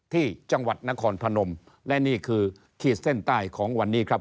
ที่จังหวัดนครพนมและนี่คือขีดเส้นใต้ของวันนี้ครับ